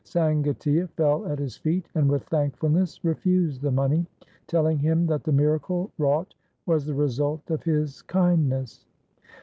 Sangatia fell at his feet, and with thankfulness refused the money, telling him that the miracle wrought was the result of his kindness.